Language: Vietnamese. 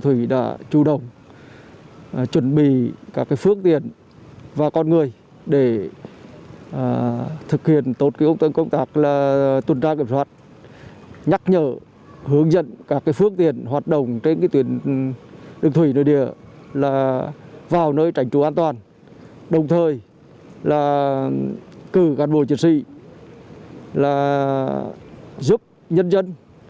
thuyền nước thủy nơi địa là vào nơi trảnh trú an toàn đồng thời là cử cán bộ chiến sĩ là giúp nhân dân